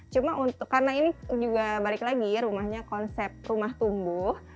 cuma karena ini juga balik lagi rumahnya konsep rumah tumbuh